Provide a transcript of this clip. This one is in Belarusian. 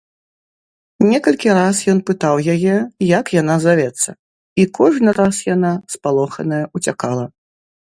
Некалькі раз ён пытаў яе, як яна завецца, і кожны раз яна, спалоханая, уцякала.